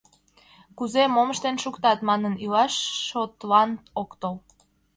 «Кузе, мом ыштен шуктат?» манын илаш шотлан ок тол.